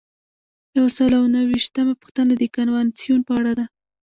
یو سل او نهه ویشتمه پوښتنه د کنوانسیون په اړه ده.